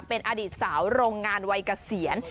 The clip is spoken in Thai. เป็นอดีตสาวโรงงานวัยเกษียณ